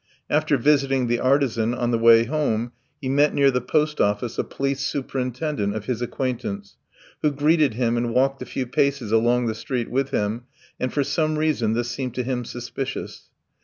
After visiting the artisan, on the way home he met near the post office a police superintendent of his acquaintance, who greeted him and walked a few paces along the street with him, and for some reason this seemed to him suspicious.